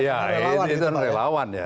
ya ini adalah relawan ya